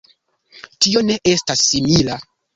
Tio ne estas simila.